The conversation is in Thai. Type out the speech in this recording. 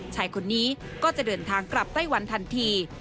ชายคนนี้ก็จะเดินทางกลับไต้หวันทันที